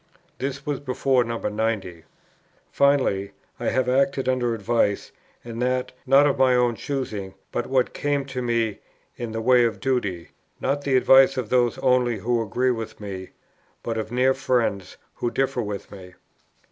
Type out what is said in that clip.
This was before No. 90. "Finally, I have acted under advice, and that, not of my own choosing, but what came to me in the way of duty, nor the advice of those only who agree with me, but of near friends who differ from me.